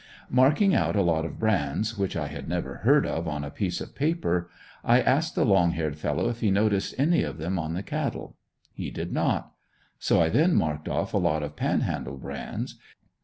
Marking out a lot of brands which I had never heard of on a piece of paper, I asked the long haired fellow if he noticed any of them on the cattle. He did not. So I then marked off a lot of Panhandle brands.